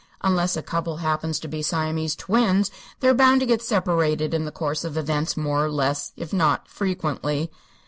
Unless a couple happens to be Siamese twins, they're bound to get separated in the course of events, more or less, if not frequently."